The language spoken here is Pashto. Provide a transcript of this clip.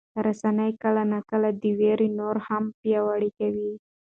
رسنۍ کله ناکله دا ویره نوره هم پیاوړې کوي.